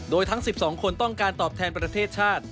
โดยทั้ง๑๒คนต้องการตอบแทนประเทศชาติ